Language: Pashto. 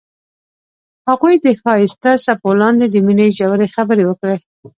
هغوی د ښایسته څپو لاندې د مینې ژورې خبرې وکړې.